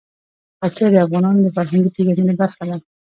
پکتیا د افغانانو د فرهنګي پیژندنې برخه ده.